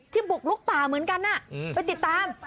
บุกลุกป่าเหมือนกันไปติดตาม